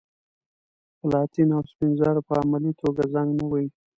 پلاتین او سپین زر په عملي توګه زنګ نه وهي.